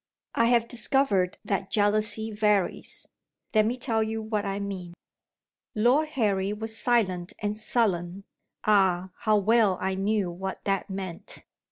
I have discovered that jealousy varies. Let me tell you what I mean. Lord Harry was silent and sullen (ah, how well I knew what that meant!)